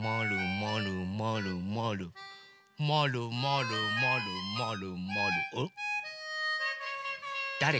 まるまるまるまるまるまるまる。